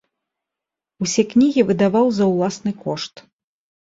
Усе кнігі выдаваў за ўласны кошт.